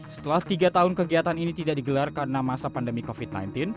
setelah tiga tahun kegiatan ini tidak digelar karena masa pandemi covid sembilan belas